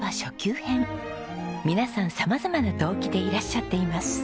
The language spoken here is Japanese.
皆さん様々な動機でいらっしゃっています。